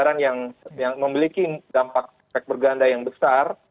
pos pos anggaran yang memiliki dampak berganda yang besar